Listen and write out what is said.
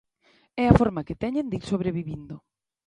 É a forma que teñen de ir sobrevivindo.